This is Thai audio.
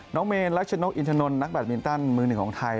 เมนรัชนกอินทนนทนักแบตมินตันมือหนึ่งของไทย